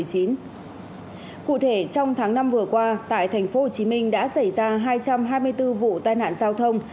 cụ thể trong tháng năm vừa qua tại tp hcm đã xảy ra hai trăm hai mươi bốn vụ tai nạn giao thông